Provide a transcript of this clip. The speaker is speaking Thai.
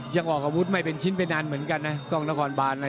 ยังออกอาวุธไม่เป็นชิ้นไปนานเหมือนกันนะกล้องนครบานอะไร